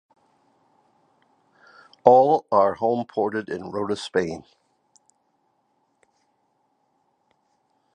All are homeported in Rota, Spain.